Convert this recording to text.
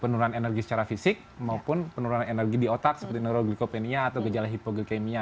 penurunan energi secara fisik maupun penurunan energi di otak seperti neuroglikopenia atau gejala hipoglikemia